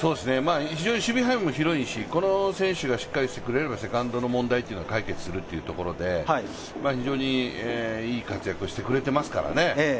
非常に守備範囲も広いし、この選手がしっかりしてくれればセカンドの問題は解決するというところで非常にいい活躍をしてくれていますからね。